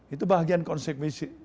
itu bahagian konsekuensi